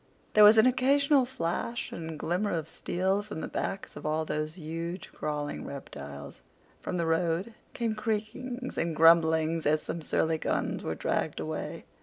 There was an occasional flash and glimmer of steel from the backs of all these huge crawling reptiles. From the road came creakings and grumblings as some surly guns were dragged away.